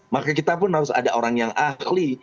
maka kita pun harus ada orang yang ahli